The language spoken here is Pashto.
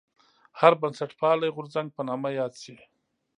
هر بنسټپالی غورځنګ په نامه یاد شي.